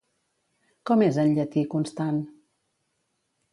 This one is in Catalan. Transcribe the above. Com és en llatí Constant?